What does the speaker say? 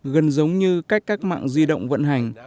gần giống như cách các mạng di động vận hành